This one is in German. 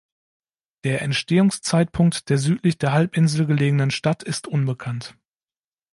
Der Entstehungszeitpunkt der südlich der Halbinsel gelegenen Stadt ist unbekannt.